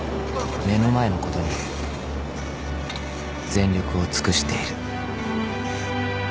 ［目の前のことに全力を尽くしている］